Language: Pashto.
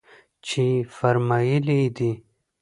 چې فرمايلي يې دي.